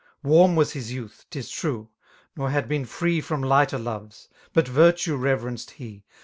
Warm was his jouQk, 'tis true,— nor had been free From lighter loves, — ^but virtue reverenced he.